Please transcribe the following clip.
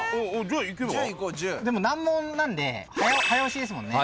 でも難問なんで早押しですもんね？